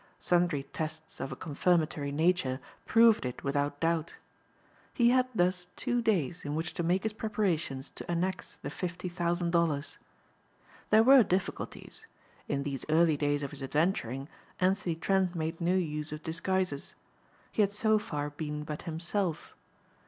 Sundry tests of a confirmatory nature proved it without doubt. He had thus two days in which to make his preparations to annex the fifty thousand dollars. There were difficulties. In these early days of his adventuring Anthony Trent made no use of disguises. He had so far been but himself.